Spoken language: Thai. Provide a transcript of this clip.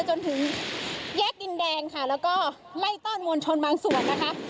จนถึงแยกดินแดงค่ะแล้วก็ไล่ต้อนมวลชนบางส่วนนะคะ